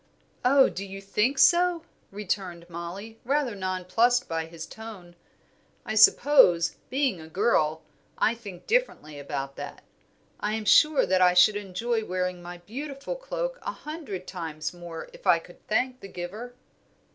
"Oh, do you think so?" returned Mollie, rather nonplussed by his tone. "I suppose, being a girl, I think differently about that. I am sure that I should enjoy wearing my beautiful cloak a hundred times more if I could thank the giver."